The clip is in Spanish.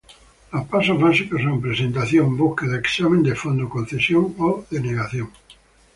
Los pasos básicos son: Presentación, búsqueda, examen de fondo, concesión o denegación.